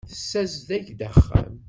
Tessazedgeḍ-d axxam.